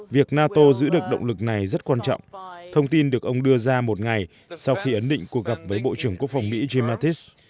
việc nato giữ được động lực này rất quan trọng thông tin được ông đưa ra một ngày sau khi ấn định cuộc gặp với bộ trưởng quốc phòng mỹ jim mattis